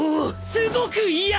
すごく嫌！！